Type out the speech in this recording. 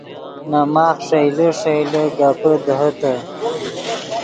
نے ماخ ݰئیلے ݰئیلے گپے دیہے تے